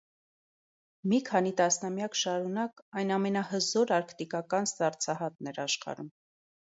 Մի քանի տասնամյակ շարունակ այն ամենահզոր արկտիկական սառցահատն էր աշխարհում։